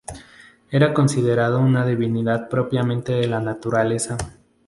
Era considerado una divinidad propiamente de la naturaleza.